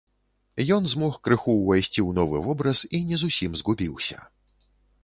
Ён змог крыху ўвайсці ў новы вобраз і не зусім згубіўся.